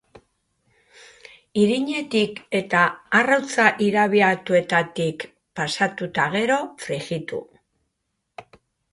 Irinetik eta arrautza irabiatuetatik pasatu eta gero, frijitu.